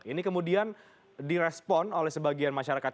ini kemudian direspon oleh sebagian masyarakat